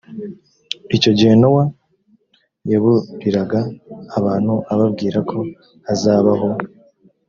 icyo gihe nowa yaburiraga abantu ababwira ko hazabaho